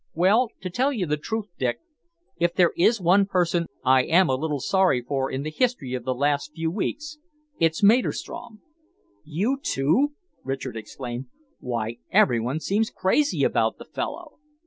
"Well, to tell you the truth, Dick, if there is one person I am a little sorry for in the history of the last few weeks, it's Maderstrom." "You, too?" Richard exclaimed. "Why, every one seems crazy about the fellow."